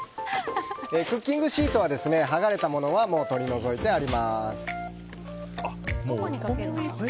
クッキングシートは剥がれたものは取り除いてあります。